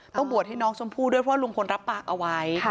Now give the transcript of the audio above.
บวชให้น้องชมพู่ด้วยเพราะลุงพลรับปากเอาไว้